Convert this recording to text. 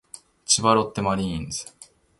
千葉ロッテマリーンズ